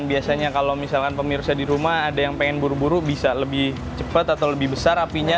biasanya kalau misalkan pemirsa di rumah ada yang pengen buru buru bisa lebih cepat atau lebih besar apinya